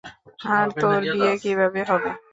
আর তোর বিয়ে কীভাবে হবে?